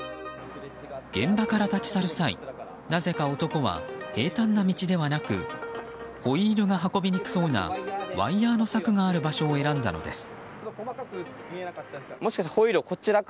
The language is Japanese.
現場から立ち去る際、なぜか男は平坦な道ではなくホイールが運びにくそうなワイヤの柵がある場所を選んだのです。